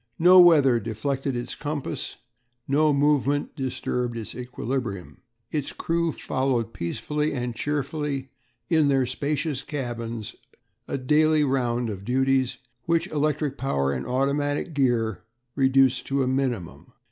No weather deflected its compass, no movement disturbed its equilibrium. Its crew followed peacefully and cheerfully in their spacious cabins a daily round of duties which electric power and automatic gear reduced to a minimum.